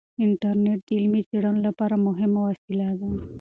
انټرنیټ د علمي څیړنو لپاره مهمه وسیله ده.